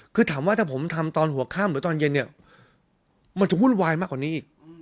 คือถามว่าถ้าผมทำตอนหัวข้ามหรือตอนเย็นเนี่ยมันจะวุ่นวายมากกว่านี้อีก